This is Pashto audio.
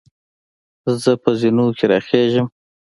زۀ په زینو کې راخېږم.